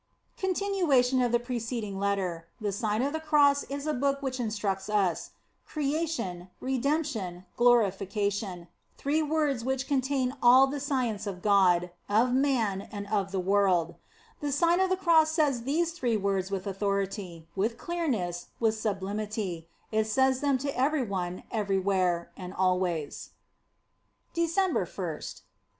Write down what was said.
CONTINUATION OP THE PRECEDING LETTER THE SlON OF THE CROSS IS A BOOK WHIOE INSTRUCTS US CREATION, REDEMP TION, GLORIFICATION: THREE WORDS WHICH CONTAIN ALL THE SCIENCE OF GOD, OF MAN, AND OP THE WORLD THE SIGN OP THE CROSS SATS THESE THREE WORDS WITH AU THORITY, WITH CLEARNESS, WITH SUBLIMITY IT SAY3 THEM TO EVERY ONE, EVERYWHERE, AND ALWAYS. December 1st.